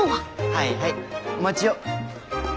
はいはいお待ちを。